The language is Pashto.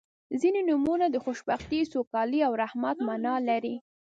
• ځینې نومونه د خوشبختۍ، سوکالۍ او رحمت معنا لري.